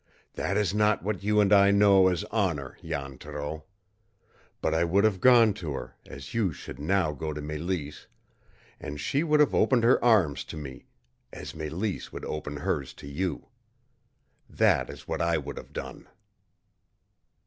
"That is not what you and I know as honor, Jan Thoreau. But I would have gone to her, as you should now go to Mélisse, and she would have opened her arms to me, as Mélisse would opens hers to you. That is what I would have done."